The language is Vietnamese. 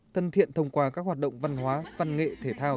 thân thiện thông qua các hoạt động văn hóa văn nghệ thể thao